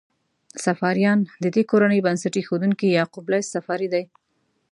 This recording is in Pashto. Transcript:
صفاریان: د دې کورنۍ بنسټ ایښودونکی یعقوب لیث صفاري دی.